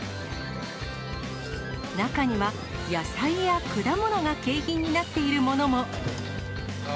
中には、野菜や果物が景品になっているものも。